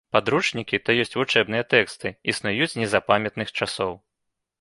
Падручнікі, то ёсць вучэбныя тэксты, існуюць з незапамятных часоў.